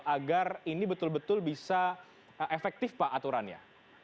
agar ini betul betul bisa efektif pak aturannya